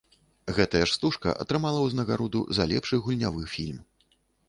Гэтая ж стужка атрымала ўзнагароду за лепшы гульнявы фільм.